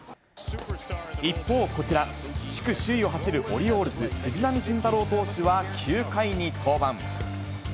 一方こちら、地区首位を走るオリオールズ、藤浪晋太郎投手は９回に登板。